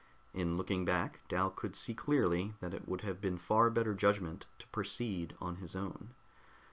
In looking back, Dal could see clearly that it would have been far better judgment to proceed on his own.